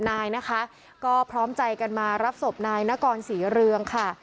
นายนะคะก็พร้อมใจกันมารับศพนายนกรศรีเรืองค่ะ